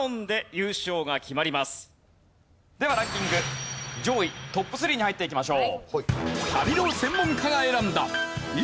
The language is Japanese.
ではランキング上位トップ３に入っていきましょう。